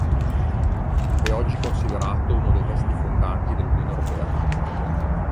È oggi considerato uno dei testi fondanti dell'Unione europea.